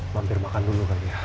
mampir makan dulu kali ya